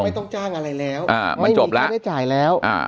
ไม่ต้องจ้างอะไรแล้วไม่มีค่าได้จ่ายแล้ว